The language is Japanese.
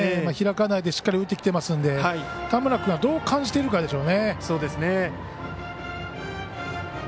開かないでしっかり打ってきていますので田村君がどう感じているかでしょうね。